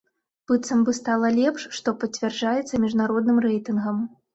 Быццам бы стала лепш, што пацвярджаецца міжнародным рэйтынгам.